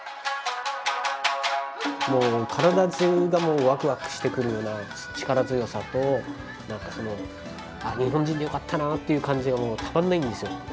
もう体中がワクワクしてくるような力強さと何かその日本人でよかったなという感じがたまんないんですよ。